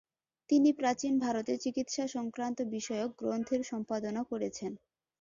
তিনি প্রাচীন ভারতে চিকিৎসা সংক্রান্ত বিষয়ক গ্রন্থের সম্পাদনা করেছেন।